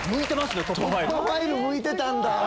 『突破ファイル』向いてたんだ！